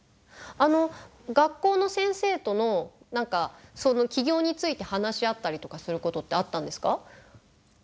あの学校の先生との何かその起業について話し合ったりとかすることってあったんですか？